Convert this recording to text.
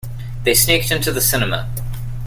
They sneaked into the cinema.